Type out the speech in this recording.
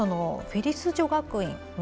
フェリス女学院。